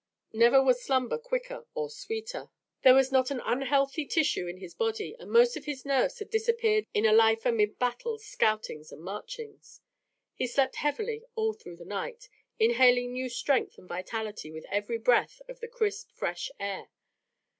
Never was slumber quicker or sweeter. There was not an unhealthy tissue in his body, and most of his nerves had disappeared in a life amid battles, scoutings, and marchings. He slept heavily all through the night, inhaling new strength and vitality with every breath of the crisp, fresh air.